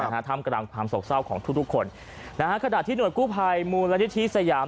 ท่ามกระดามความสกเศร้าของทุกคนนะครับขณะที่หน่วยกู้ภัยมูลนิษฐีสยาม